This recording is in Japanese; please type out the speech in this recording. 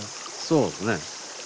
そうですね。